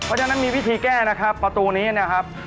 เพราะฉะนั้นมีวิธีแก้นะครับประตูนี้นะครับ